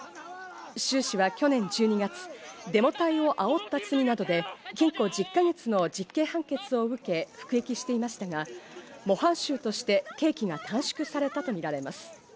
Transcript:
シュウ氏は去年１２月、デモ隊をあおった罪などで禁錮１０か月の実刑判決を受け、服役していましたが、模範囚として刑期が短縮されたとみられます。